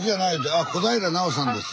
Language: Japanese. あ小平奈緒さんです。